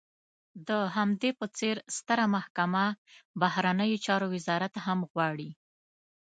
د همدې په څېر ستره محکمه، بهرنیو چارو وزارت هم غواړي.